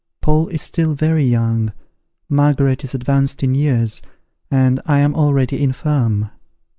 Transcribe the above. Paul is still very young, Margaret is advanced in years, and I am already infirm.